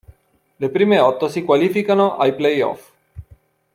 Le prime otto si qualificano ai playoff.